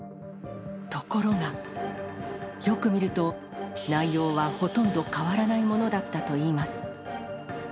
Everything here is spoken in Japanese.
ところが、よく見ると、内容はほとんど変わらないものだったといいます。